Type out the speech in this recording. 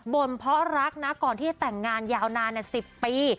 บ่นเพราะรักนะก่อนที่จะแต่งงานยาวนาน๑๐ปี